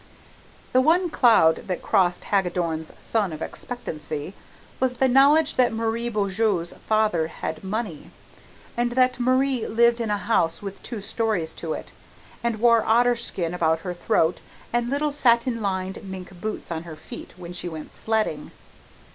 The one cloud that crossed Hagadorn's sun of expectancy was the knowledge that Marie Beaujeu's father had money, and that Marie lived in a house with two stories to it, and wore otter skin about her throat and little satin lined mink boots on her feet when she went sledding.